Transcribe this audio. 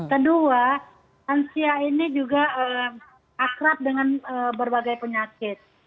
kedua lansia ini juga akrab dengan berbagai penyakit